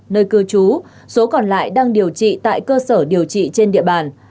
nơi cư trú số còn lại đang điều trị tại cơ sở điều trị trên địa bàn